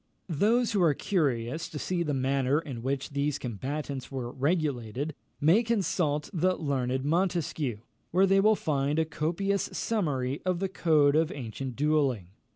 Those who are curious to see the manner in which these combats were regulated, may consult the learned Montesquieu, where they will find a copious summary of the code of ancient duelling.